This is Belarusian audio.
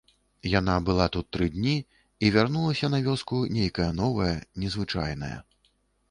Яна была тут тры тыдні і вярнулася на вёску нейкая новая, незвычайная.